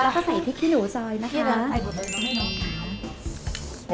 ถ้าใส่แพร่หนูซอยนะคะ